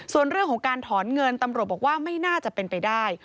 ส่วนเรื่องของการถอนเงินตำรวจบอกว่าไม่น่าจะเป็นไปได้